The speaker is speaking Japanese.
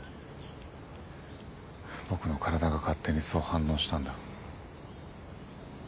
僕の体が勝手にそう反応したんだ。